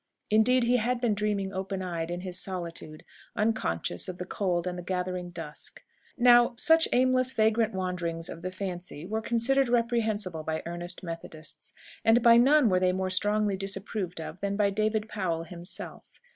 Indeed, he had been dreaming open eyed in his solitude, unconscious of the cold and the gathering dusk. Now, such aimless, vagrant wanderings of the fancy were considered reprehensible by earnest Methodists; and by none were they more strongly disapproved of than by David Powell himself.